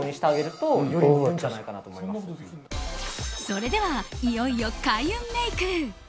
それでは、いよいよ開運メイク。